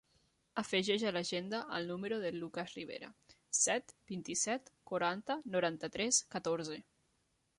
Afegeix a l'agenda el número del Lucas Ribera: set, vint-i-set, quaranta, noranta-tres, catorze.